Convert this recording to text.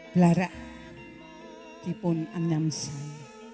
blara dipun anjam say